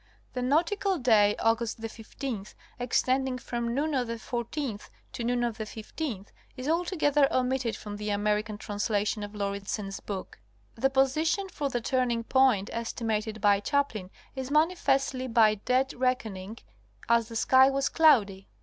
—The nautical day Aug. 15 extending from noon of the 14th to noon of the 15th is altogether omitted from the American translation of Lauridsen's book. The position for the turning point estimated by Chaplin is manifestly by dead reckoning, as the sky was cloudy.